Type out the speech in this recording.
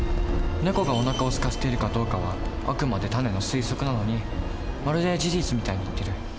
ネコがおなかをすかせているかどうかはあくまでタネの推測なのにまるで事実みたいに言ってる。